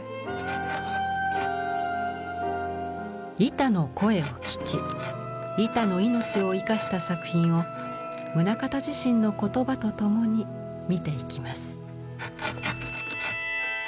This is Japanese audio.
板の声を聞き板の命を活かした作品を棟方自身の言葉とともに見ていきます。